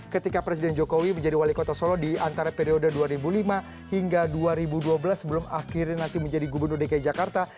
ketika presiden jokowi menjadi wali kota solo di antara periode dua ribu lima hingga dua ribu dua belas sebelum akhirnya nanti menjadi gubernur dki jakarta